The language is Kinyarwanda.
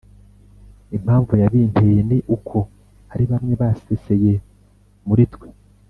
Impamvu yabinteye ni uko hari bamwe baseseye muri twe